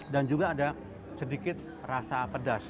dan juga ada sedikit rasa pedas